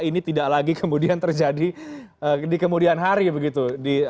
ini tidak lagi kemudian terjadi di kemudian hari begitu